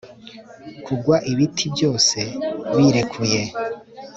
Kugwa ibiti byose birekuye